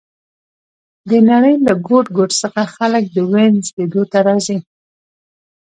د نړۍ له ګوټ ګوټ څخه خلک د وینز لیدو ته راځي